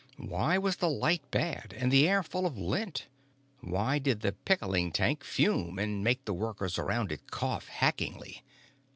Why was the light bad and the air full of lint? Why did the pickling tank fume and make the workers around it cough hackingly?